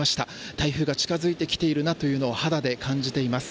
台風が近づいてきているなというのを肌で感じております。